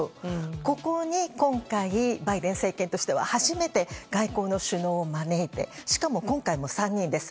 ここに今回、バイデン政権としては初めて、外交の首脳を招いてしかも今回も３人です。